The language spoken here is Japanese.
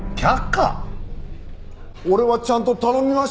俺はちゃんと頼みましたよ。